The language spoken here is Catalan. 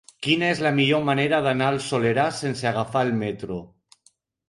Quina és la millor manera d'anar al Soleràs sense agafar el metro?